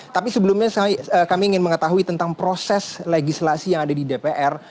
tapi sebelumnya kami ingin mengetahui tentang proses legislasi yang ada di dpr